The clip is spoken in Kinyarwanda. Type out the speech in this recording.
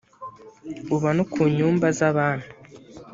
uba no ku nyumba z abami